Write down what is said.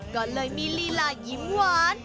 ก็เลยมีลีลายิ้มหวาน